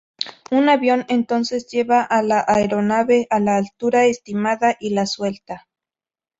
Un avión entonces lleva a la aeronave a la altura estimada y la suelta.